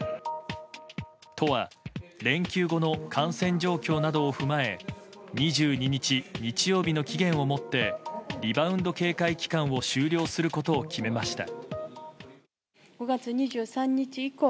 都は連休後の感染状況などを踏まえ２２日、日曜日の期限をもってリバウンド警戒期間を終了することを決めました。